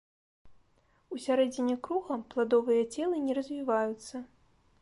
У сярэдзіне круга пладовыя целы не развіваюцца.